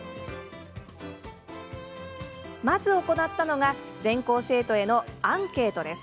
まず行ったのが全校生徒へのアンケートです。